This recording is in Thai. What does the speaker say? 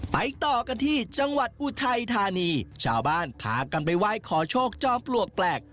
ไปต่อกันที่จังหวัดอุทัยธานีชาวบ้านพากันไปไหว้ขอโชคจอมปลวกแปลก